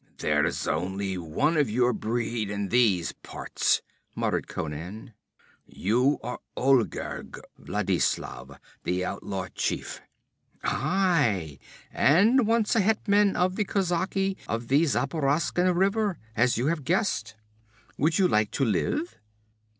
'There's only one of your breed in these parts,' muttered Conan. 'You are Olgerd Vladislav, the outlaw chief.' 'Aye! and once a hetman of the kozaki of the Zaporoskan River, as you have guessed. Would you like to live?'